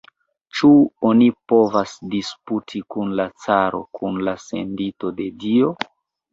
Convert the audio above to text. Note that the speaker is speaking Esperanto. Ĉu oni povas disputi kun la caro, kun la sendito de Dio?